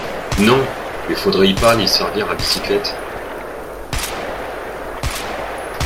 Non ! mais faudrait-y pas les servir à bicyclette !